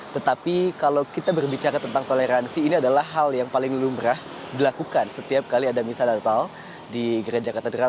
tetapi kalau kita berbicara tentang toleransi ini adalah hal yang paling lumrah dilakukan setiap kali ada misal natal di gereja katedral